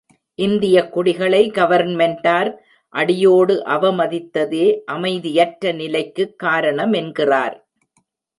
இந்தியக் குடிகளை கவர்ன்மென்டார் அடியோடு அவமதித்ததே அமைதியற்ற நிலைக்குக் காரணமென்கிறார்.